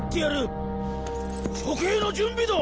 処刑の準備だ！